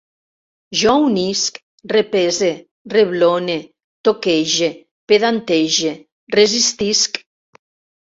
Jo unisc, repese, reblone, toquege, pedantege, resistisc